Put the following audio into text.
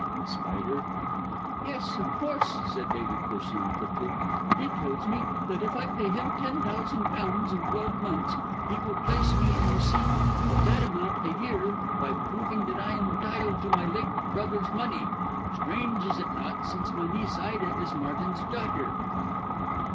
"The Spider?" "Yes, of course," said Lady Corsoon quickly. "He tells me that if I will pay him ten thousand pounds in twelve months he will place me in receipt of that amount a year by proving that I am entitled to my late brother's money. Strange, is it not, since my niece Ida is Martin's daughter?"